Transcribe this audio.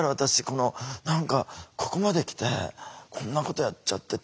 この何かここまで来てこんなことやっちゃってて」。